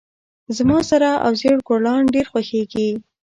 زما سره او زیړ ګلان ډیر خوښیږي